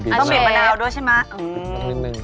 ต้องบีบมะนาวด้วยใช่ไหม